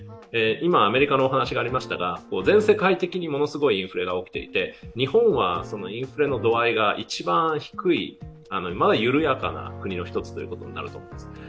今、アメリカのお話がありましたが全世界的にものすごいインフレが起きていて日本はインフレの度合いが一番低い、緩やかな国の一つとなると思うんですよね。